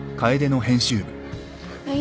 はい。